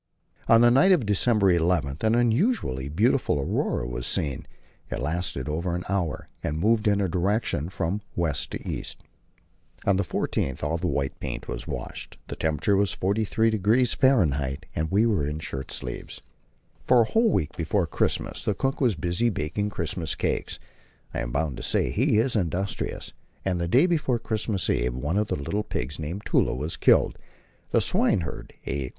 On the night of December 11 an unusually beautiful aurora was seen; it lasted over an hour, and moved in a direction from west to east. On the 14th all the white paint was washed; the temperature was 43° F., and we were in shirt sleeves. For a whole week before Christmas the cook was busy baking Christmas cakes. I am bound to say he is industrious; and the day before Christmas Eve one of the little pigs, named Tulla, was killed. The swineherd, A.